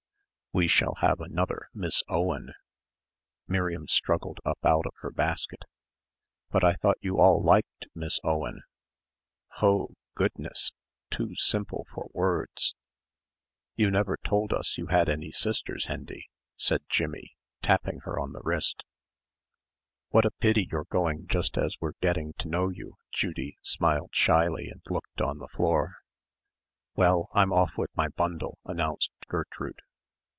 "We shall have another Miss Owen." Miriam struggled up out of her basket. "But I thought you all liked Miss Owen!" "Ho! Goodness! Too simple for words." "You never told us you had any sisters, Hendy," said Jimmie, tapping her on the wrist. "What a pity you're going just as we're getting to know you," Judy smiled shyly and looked on the floor. "Well I'm off with my bundle," announced Gertrude.